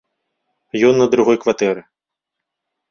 Ён на другой кватэры.